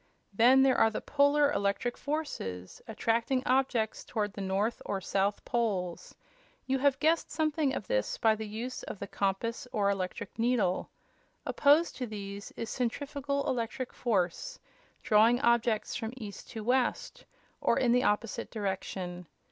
Then there are the Polar electric forces, attracting objects toward the north or south poles. You have guessed something of this by the use of the compass, or electric needle. Opposed to these is centrifugal electric force, drawing objects from east to west, or in the opposite direction.